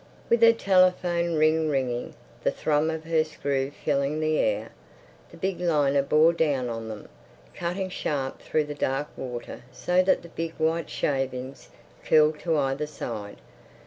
With her telephone ring ringing, the thrum of her screw filling the air, the big liner bore down on them, cutting sharp through the dark water so that big white shavings curled to either side.